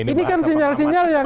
ini kan sinyal sinyal yang